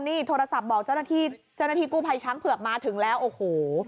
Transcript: นี่โทรศัพท์บอกเจ้าหน้าที่กูภัยชั้นเผื่อบมาถึงแล้วโอ้โห